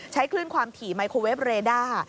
ใช้คลื่นความถี่ไมโครเวฟเรด้า